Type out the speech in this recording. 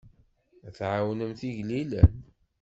Ad tɛawnemt igellilen.